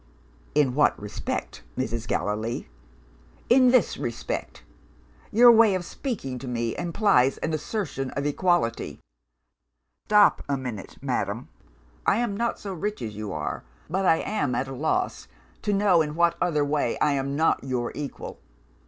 "'In what respect, Mrs. Gallilee?' "'In this respect. Your way of speaking to me implies an assertion of equality ' "'Stop a minute, madam! I am not so rich as you are. But I am at a loss to know in what other way I am not your equal.